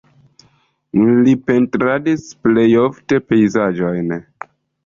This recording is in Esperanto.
Li pentradis plej ofte pejzaĝojn.